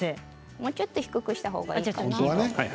もうちょっと低くしたほうがいいかな。